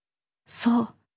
そう